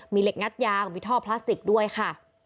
มีเหล็กงัดยางมีท่อพลาสติกด้วยค่ะ